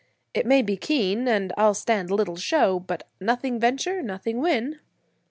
It may be keen, and I'll stand little show, but nothing venture nothing win."